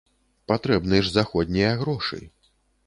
Патрэбны ж заходнія грошы.